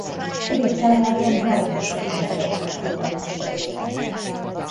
Egyes táblákon három oszlopban sorakoztak a feliratok.